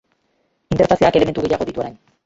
Interfazeak elementu gehiago ditu orain.